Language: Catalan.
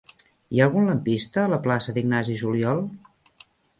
Hi ha algun lampista a la plaça d'Ignasi Juliol?